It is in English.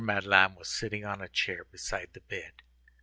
Madeleine was sitting on a chair beside the bed.